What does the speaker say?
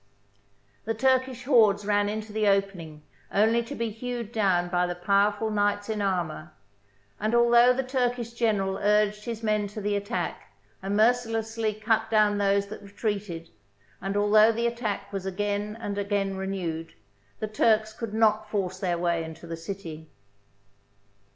The Turkish hordes ran into the opening only to be hewed down by the powerful knights in armour; and although the Turkish general urged his men to the attack and mercilessly cut down those that retreated, and al though the attack was again and again renewed, the Turks could not force their way into the city.